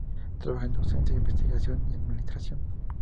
Trabaja en docencia, investigación, y administración.